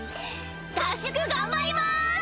合宿頑張ります！